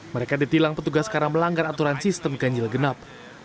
mereka ditilang petugas karena melanggar aturan sistem ganjil genap